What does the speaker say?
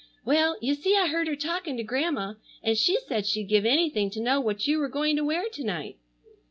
"Well, you see I heard her talking to Grandma, and she said she'd give anything to know what you were going to wear to night."